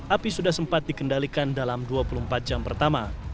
api sudah sempat dikendalikan dalam dua puluh empat jam pertama